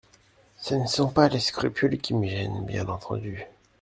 Ce ne sont pas les scrupules qui me gênent, bien entendu.